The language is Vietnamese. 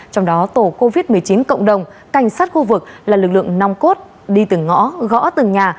trong đó tổ covid một mươi chín cộng đồng cảnh sát khu vực là lực lượng nong cốt đi từng ngõ gõ từng nhà